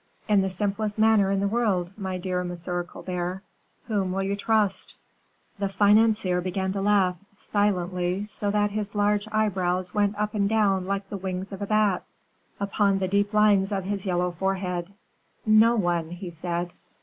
"In the simplest manner in the world, my dear Monsieur Colbert whom will you trust?" The financier began to laugh, silently, so that his large eyebrows went up and down like the wings of a bat, upon the deep lines of his yellow forehead. "No one," he said.